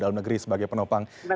dalam negeri sebagai penopang